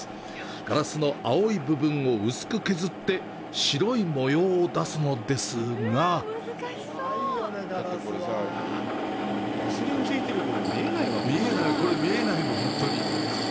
ガラスの青い部分を薄く削って白い模様を出すのですがああ、来た、来た、来た！